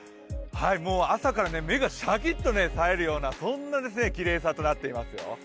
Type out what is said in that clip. もう朝から目がシャキッとさえるような、そんなきれいさとなっていますよ。